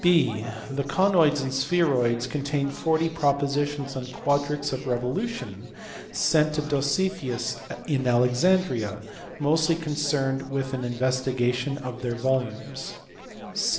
(6) The Conoids and Spheroids contains forty propositions on quadrics of revolution (sent to Dositheus in Alexandria) mostly concerned with an investigation of their volumes.